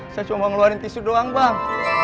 saya cuma ngeluarin tisu doang bang